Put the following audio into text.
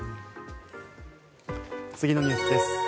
次のニュースです。